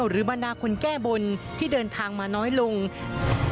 บริเวณหน้าสารพระการอำเภอเมืองจังหวัดลบบุรี